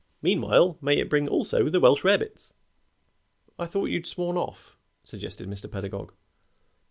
Meanwhile may it bring also the Welsh rarebits." "I thought you'd sworn off," suggested Mr. Pedagog.